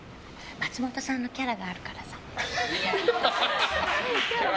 松本さんのキャラがあるからさ。